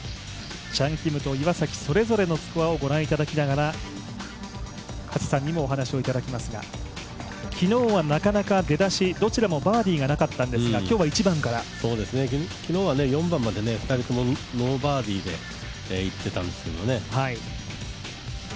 チャン・キムと岩崎それぞれのスコアをご覧いただきながら加瀬さんにもお話をいただきますが昨日はなかなか出だし、どちらもバーディーがなかったんですが、昨日は４番まで２人ともノーバーディーでいってたんですけどね。